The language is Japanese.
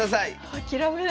諦めない。